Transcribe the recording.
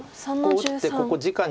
こう打ってここじかに。